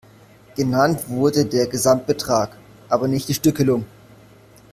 Genannt wurde der Gesamtbetrag, aber nicht die Stückelung.